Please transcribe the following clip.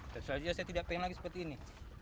dan selanjutnya saya tidak pengen lagi seperti ini